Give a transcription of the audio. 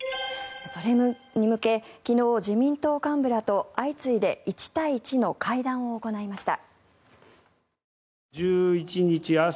それに向け昨日、自民党幹部らと相次いで１対１の会談を行いました。